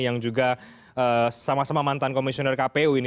yang juga sama sama mantan komisioner kpu ini